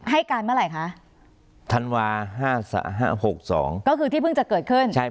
ให้การเมื่อไหร่คะธันวา๕๖๒ก็คือที่เพิ่งจะเกิดขึ้นใช่